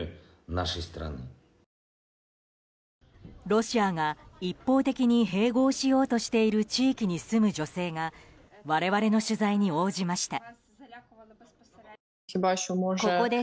ロシアが一方的に併合しようとしている地域に住む女性が我々の取材に応じました。